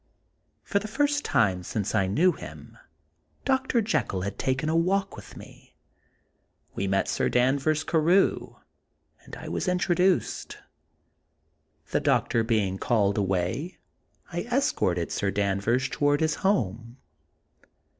For the first time since I knew him. Dr. Jekyll had taken a walk with me. We met Sir Danvers Carew, and I was in troduced. The doctor being called away, I escorted Sir Danvers toward his home.